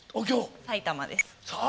埼玉です。